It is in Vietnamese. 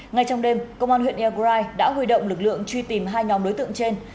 ngay trong đêm công an huyện eagrai đã huy động lực lượng truy tìm hai nhóm đối tượng trên